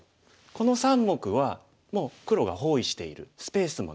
この３目はもう黒が包囲しているスペースもなさそう。